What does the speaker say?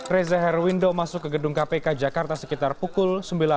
reza herwindo masuk ke gedung kpk jakarta sekitar pukul sembilan belas